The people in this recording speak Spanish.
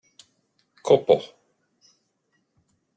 ¡ copo!